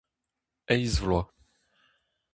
Eizh vloaz.